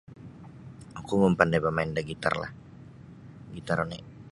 Oku mampandai bamain da gitarlah gitar oni.